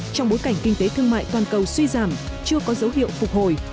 trong bối cảnh kinh tế thương mại toàn cầu suy giảm chưa có dấu hiệu phục hồi